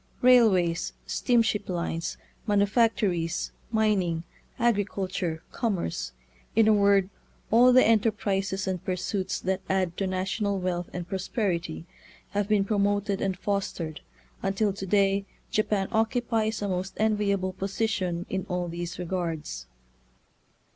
Railways, steamship lines, manufactories, mining, agriculture, commerce — in a word, all the enterprises and pursuits that add to na tional wealth and prosperity — have been promoted and fostered, until to day Japan occupies a most enviable position in all these regards.